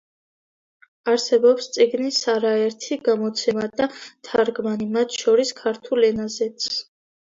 არსებობს წიგნის არაერთი გამოცემა და თარგმანი, მათ შორის ქართულ ენაზეც.